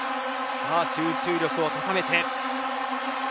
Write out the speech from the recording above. さあ集中力を高めて。